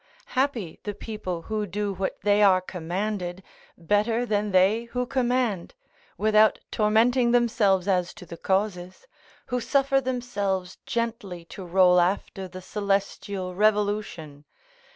Happy the people who do what they are commanded, better than they who command, without tormenting themselves as to the causes; who suffer themselves gently to roll after the celestial revolution!